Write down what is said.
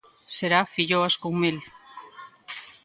Será filloas con mel.